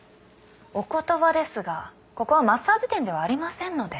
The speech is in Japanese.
お言葉ですがここはマッサージ店ではありませんので。